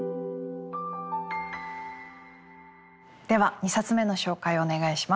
では２冊目の紹介をお願いします。